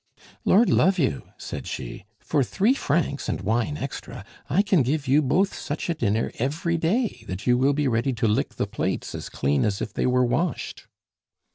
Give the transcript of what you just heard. "Lord love you," said she, "for three francs and wine extra I can give you both such a dinner every day that you will be ready to lick the plates as clean as if they were washed."